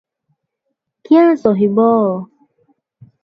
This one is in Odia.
କ୍ୟାଁ ସହିବ?